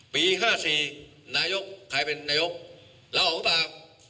ปี๕๔นายกใครเป็นนายกลาออกหรือเปล่า